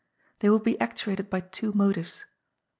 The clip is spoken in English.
They will be actuated by two motives.